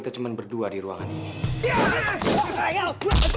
kamu memang pria yang menggairahkan